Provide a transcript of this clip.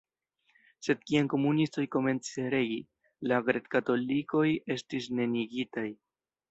Sed kiam komunistoj komencis regi, la grek-katolikoj estis neniigitaj.